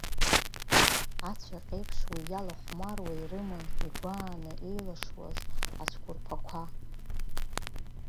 Аҵәаҟьеиԥш, уи иалахәмаруа ирыман игәааны еилашуаз ацәқәырԥақәа.